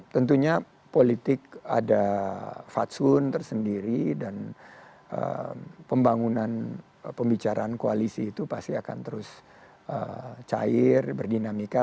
tentunya politik ada fatsun tersendiri dan pembangunan pembicaraan koalisi itu pasti akan terus cair berdinamika